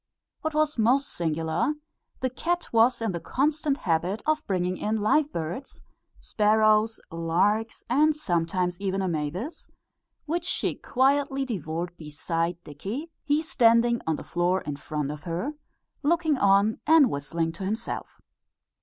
What was most singular, the cat was in the constant habit of bringing in live birds, sparrows, larks, and sometimes even a mavis, which she quietly devoured beside Dickie, he standing on the floor in front of her, looking on and whistling to himself.